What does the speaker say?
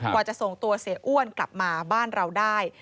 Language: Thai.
จะส่งตัวเสียอ้วนกลับมาบ้านเราได้